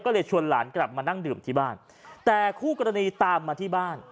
ก็เลยชวนหลานกลับมานั่งดื่มที่บ้านแต่คู่กรณีตามมาที่บ้าน